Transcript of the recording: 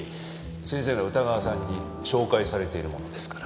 先生が宇田川さんに紹介されているものですから。